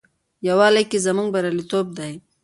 یووالي کې زموږ بریالیتوب دی.